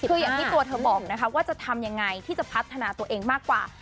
คืออย่างที่ตัวเธอบอกนะคะว่าจะทำยังไงที่จะพัฒนาตัวเองมากกว่า